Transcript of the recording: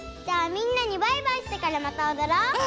じゃあみんなにバイバイしてからまたおどろう！